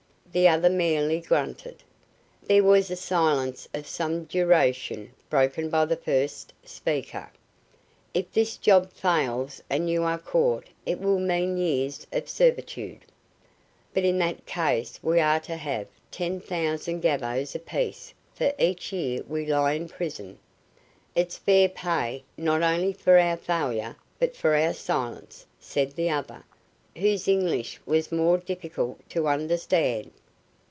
The other merely grunted. There was a silence of some duration, broken by the first speaker. "If this job fails and you are caught it will mean years of servitude." "But in that case we are to have ten thousand gavvos apiece for each year we lie in prison. It's fair pay not only for our failure, but for our silence," said the other, whose English was more difficult to understand.